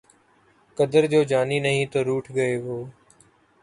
قدر جو جانی نہیں تو روٹھ گئے وہ